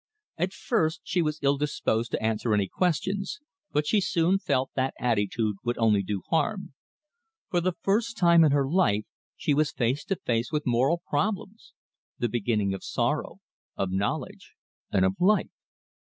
At first she was ill disposed to answer any questions, but she soon felt that attitude would only do harm. For the first time in her life she was face to face with moral problems the beginning of sorrow, of knowledge, and of life.